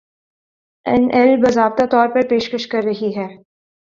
اینایل باضابطہ طور پر پیشکش کر رہی ہے